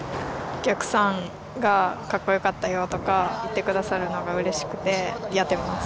お客さんが格好良かったよとか言ってくださるのがうれしくてやってます。